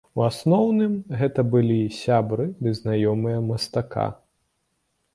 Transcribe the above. У асноўным, гэта былі сябры ды знаёмыя мастака.